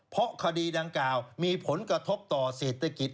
เพราะคดีดังกล่าวมีผลกระทบต่อเศรษฐกิจ